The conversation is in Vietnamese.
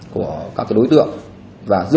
của các đối tượng tình nghi